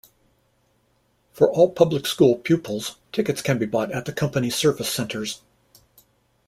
For all public school pupils tickets can be bought at the company service centers.